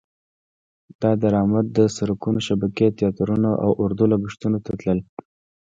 دا درامد د سرکونو شبکې، تیاترونه او اردو لګښتونو ته تلل.